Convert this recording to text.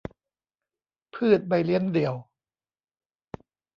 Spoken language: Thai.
พืชใบเลี้ยงเดี่ยว